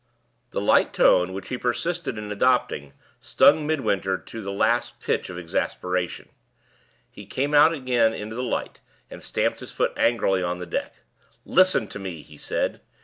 The light tone which he persisted in adopting stung Midwinter to the last pitch of exasperation. He came out again into the light, and stamped his foot angrily on the deck. "Listen to me!" he said.